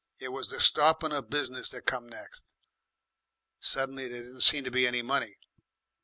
"It was the stoppin' of business come next. Suddenly there didn't seem to be any money.